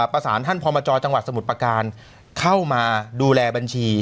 ประสานท่านพมจจังหวัดสมุทรประการเข้ามาดูแลบัญชี